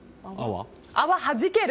泡はじける！